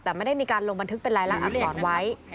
แต่ไม่ได้มีการลงบันทึกเป็นรายลักษรไว้